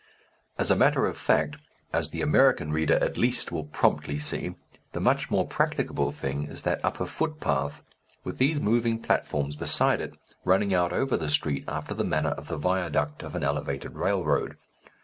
As a matter of fact, as the American reader at least will promptly see, the much more practicable thing is that upper footpath, with these moving platforms beside it, running out over the street after the manner of the viaduct of an elevated railroad.